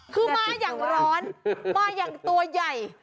คือมาอย่างร้อนมาอย่างตัวใหญ่